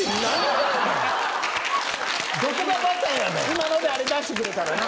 今のであれ出してくれたらな。